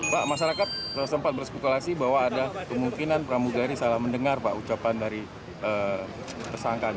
pak masyarakat tersempat bersekutulasi bahwa ada kemungkinan pramugari salah mendengar pak ucapan dari tersangka